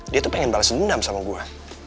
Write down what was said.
dia tuh pengen bales gendam sama gue